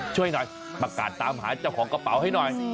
ช่วยหน่อยประกาศตามหาเจ้าของกระเป๋าให้หน่อย